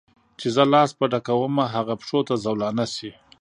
چي زه لاس په ډکومه هغه پښو ته زولانه سي